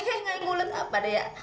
yang ngulet apa deh ya